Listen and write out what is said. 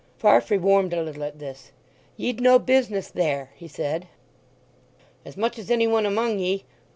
Farfrae warmed a little at this. "Ye'd no business there," he said. "As much as any one among ye!